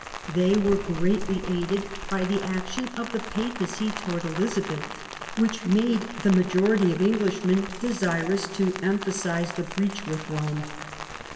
They were greatly aided by the action of the Papacy towards Elizabeth, which made the majority of Englishmen desirous to emphasise the breach with Rome.